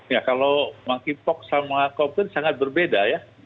ya kalau monkey pop sama covid sangat berbeda ya